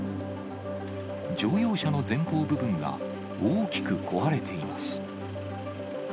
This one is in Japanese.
乗用車の前方部分が大きく壊れています。